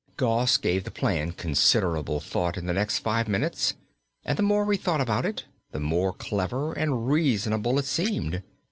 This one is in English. Gos gave the plan considerable thought in the next five minutes, and the more he thought about it the more clever and reasonable it seemed.